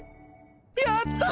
やった！